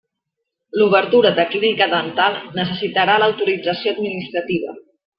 L'obertura de clínica dental necessitarà l'autorització administrativa.